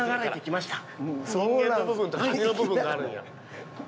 人間の部分とカニの部分があるんや。